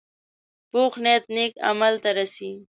پوخ نیت نیک عمل ته رسي